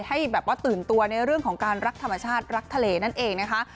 ให้แบบว่าตื่นตัวในเรื่องของการรักธรรมชาติรักทะเลนั่นเองนะคะ